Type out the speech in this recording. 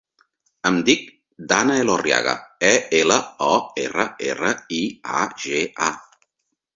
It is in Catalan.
Em dic Dana Elorriaga: e, ela, o, erra, erra, i, a, ge, a.